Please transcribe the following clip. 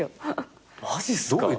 マジっすか？